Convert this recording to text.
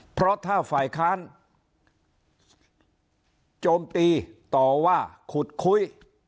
เพราะถ้าฝ่ายค้านโจมตีต่อว่าขุดคุย